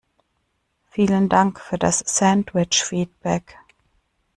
Vielen Dank für das Sandwich-Feedback!